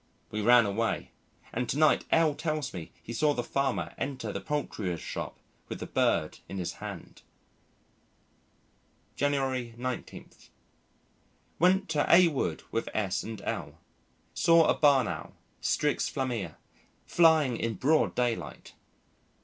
We ran away, and to night L tells me he saw the Farmer enter the poulterer's shop with the bird in his hand. January 19. Went to A Wood with S and L . Saw a Barn Owl (Strix flammea) flying in broad daylight.